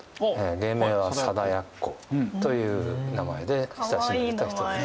芸名は貞奴という名前で親しまれた人です。